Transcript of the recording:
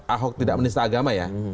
ahok tidak menista agama ya